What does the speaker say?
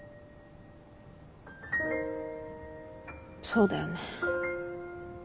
そうだよね。